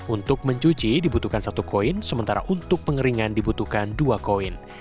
untuk mencuci dibutuhkan satu koin sementara untuk pengeringan dibutuhkan dua koin